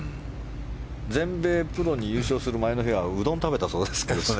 全米プロに優勝する前の日はうどんを食べたそうですが。